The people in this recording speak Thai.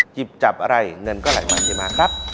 หยิบจับอะไรเงินก็ไหลมาเทมาครับ